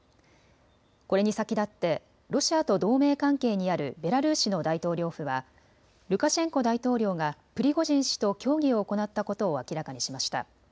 これに先立ってロシアと同盟関係にあるベラルーシの大統領府はルカシェンコ大統領がプリゴジン氏と協議を行ったことを明らかにしました。